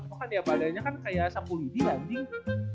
cuma kan ya badannya kan kayak sepuluh dinding